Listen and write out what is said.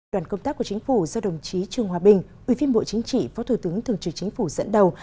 đoàn công tác của chính phủ do đồng chí trương hòa bình ủy viên bộ chính trị phó thủ tướng thường trực chính phủ dẫn đầu